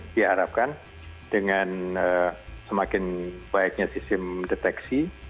kita harapkan dengan semakin baiknya sistem deteksi